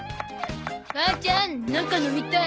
母ちゃんなんか飲みたい。